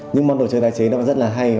những món đồ chơi tái chế nó rất là hay